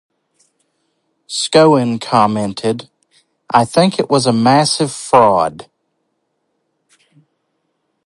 Schoen commented, "I think it was a massive fraud".